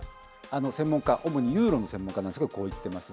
専門家、主にユーロの専門家なんですが、こう言っています。